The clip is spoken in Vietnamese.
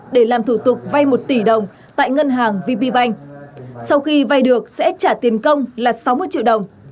để làm thủ tục vay một tỷ đồng tại ngân hàng vp bank sau khi vay được sẽ trả tiền công là sáu mươi triệu đồng